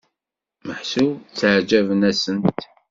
Meḥsub tteɛǧaben-asent?